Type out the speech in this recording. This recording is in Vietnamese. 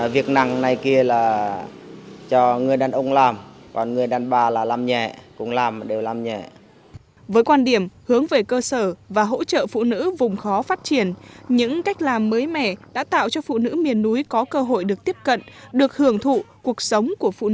với quan điểm hướng về cơ sở và hỗ trợ phụ nữ vùng khó phát triển những cách làm mới mẻ đã tạo cho phụ nữ miền núi có cơ hội làm